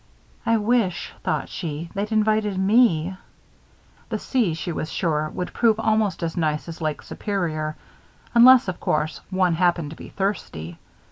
"I wish," thought she, "they'd invited me." The sea, she was sure, would prove almost as nice as Lake Superior, unless, of course, one happened to be thirsty.